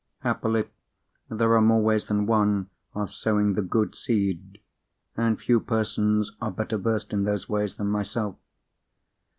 Happily, there are more ways than one of sowing the good seed, and few persons are better versed in those ways than myself.